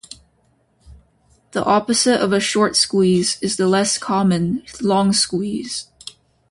The opposite of a short squeeze is the less common long squeeze.